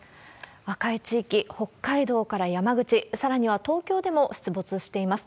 赤い地域、北海道から山口、さらには東京でも出没しています。